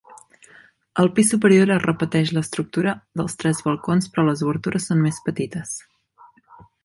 Al pis superior es repeteix l'estructura dels tres balcons però les obertures són més petites.